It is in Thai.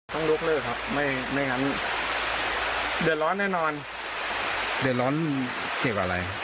ต้องยกเลิกครับไม่งั้นเดือดร้อนแน่นอนเดือดร้อนเกี่ยวกับอะไร